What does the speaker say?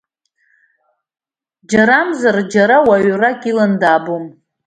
Џьарамзар џьара уаҩрак иланы даабом.